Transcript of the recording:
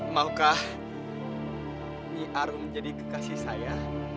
maukah niar menjadi kekasih saya